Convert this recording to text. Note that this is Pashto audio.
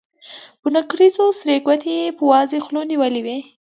په نکريزو سرې ګوتې يې په وازې خولې نيولې وې.